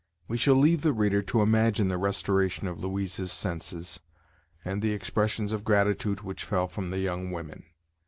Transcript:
We shall leave the reader to imagine the restoration of Louisa's senses, and the expressions of gratitude which fell from the young women.